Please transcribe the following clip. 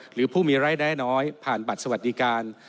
หรือผู้มีรายได้น้อยผ่านบัตรสวัสดิการ